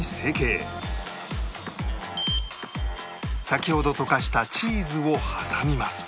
先ほど溶かしたチーズを挟みます